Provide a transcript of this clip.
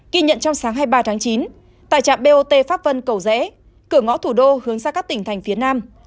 ghi nhận trong sáng hai mươi ba tháng chín tại trạm bot pháp vân cầu rẽ cửa ngõ thủ đô hướng sang các tỉnh thành phía nam